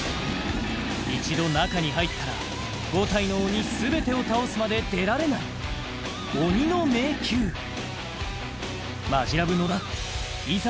一度中に入ったら５体の鬼全てを倒すまで出られない鬼の迷宮マヂラブ・野田いざ